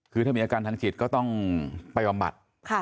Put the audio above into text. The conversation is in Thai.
คือถ้ามีอาการทางจิตก็ต้องไปบำบัด